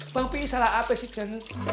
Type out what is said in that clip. bang pi salah apa sih jen